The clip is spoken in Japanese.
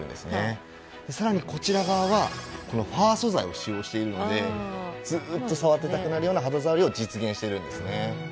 さらにこちら側はファー素材を使用しているのでずーっと触っていたくなるような肌触りを実現しているんですね。